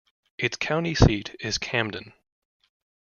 Its county seat is Camden.